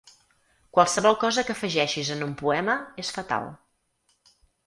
Qualsevol cosa que afegeixis en un poema és fatal.